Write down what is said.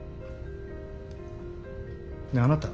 ねえあなた。